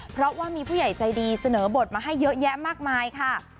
เพราะว่ามีผู้ใหญ่ใจดีเสนอบทมาให้เยอะแยะมากมายค่ะ